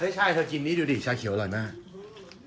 เฮ้ยชายเธอกินนี่ดูดิชาเขียวอร่อยมาก